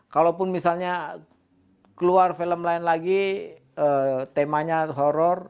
kalaupun misalnya keluar film lain lagi temanya horror